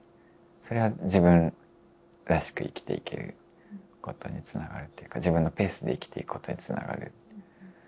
それは自分らしく生きていけることにつながるというか自分のペースで生きていくことにつながる。